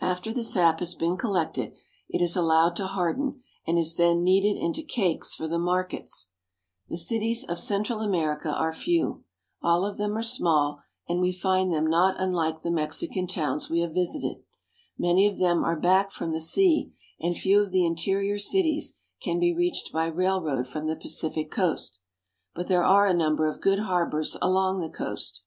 After the sap has been collected, it is allowed to harden, and is then kneaded into cakes for the markets. THE ISTHMUS OF PANAMA. 351 The cities of Central America are few. All of them are small, and we find them not unlike the Mexican Native Shop in Guatemala. towns we have visited. Many of them are back from the sea, and few of the interior cities can be reached by rail road from the Pacific coast. But there are a number of good harbors along the coast.